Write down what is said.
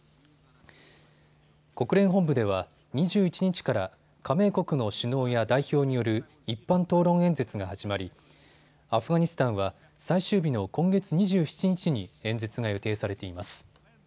国連本部では２１日から加盟国の首脳や代表による一般討論演説が始まりアフガニスタンは最終日の今月２７日に演説が予定されています。